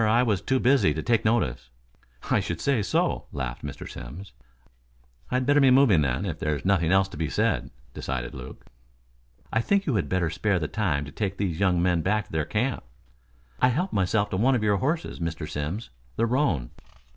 I was too busy to take notice." "I should say so," laughed Mr. Simms. "I'd better be moving then, if there's nothing else to be said," decided Luke. "I think you had better spare the time to take these young men back to their camp." "I helped myself to one of your horses, Mr. Simms. The roan."